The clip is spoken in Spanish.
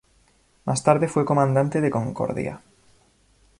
Más tarde fue comandante de Concordia.